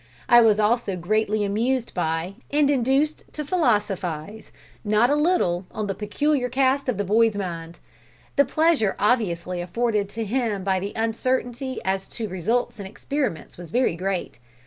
I was also greatly amused by, and induced to philosophise not a little on the peculiar cast of the boy's mind. The pleasure obviously afforded to him by the uncertainty as to results in experiments was very great.